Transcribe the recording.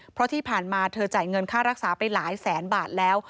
เพราะที่ผ่านมาเธอจ่ายเงินค่ารักษาไปหลายแสนบาทแล้ว